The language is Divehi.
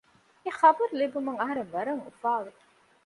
އެ ޚަބަރު ލިބުމުން އަހަރެން ވަރަށް އުފާވި